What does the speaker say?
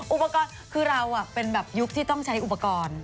อุปกรณ์คือเราเป็นแบบยุคที่ต้องใช้อุปกรณ์